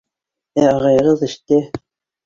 Ә ағайығыҙ эштә.